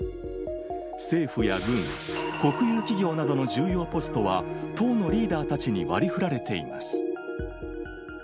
政府や軍、国有企業などの重要ポストは、党のリーダーたちにわりふられています。